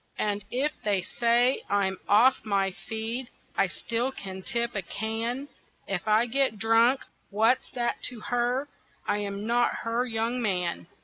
And if they say I'm off my feed I still can tip a can; If I get drunk what's that to her? I am not her young man.